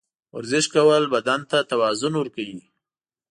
ورزش کول بدن ته توازن ورکوي.